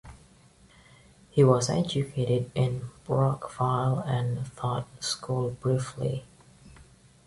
He was educated in Brockville and taught school briefly.